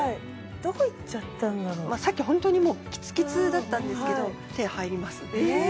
どこ行っちゃったんだろさっきホントにもうキツキツだったんですけどえーっ